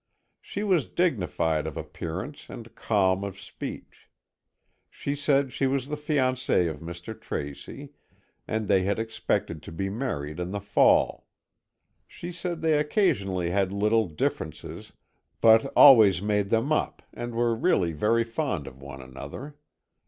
She was dignified of appearance and calm of speech. She said she was the fiancée of Mr. Tracy and they had expected to be married in the fall. She said they occasionally had little differences, but always made them up and were really very fond of one another.